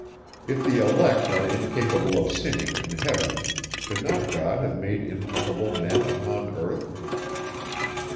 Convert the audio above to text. If the elect are incapable of sinning in heaven, could not God have made impeccable men upon earth?